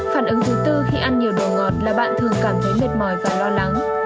phản ứng thứ tư khi ăn nhiều đồ ngọt là bạn thường cảm thấy mệt mỏi và lo lắng